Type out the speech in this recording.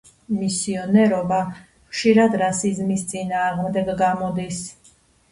მისიონერობა ხშირად რასიზმის წინააღნდეგ გამოდის.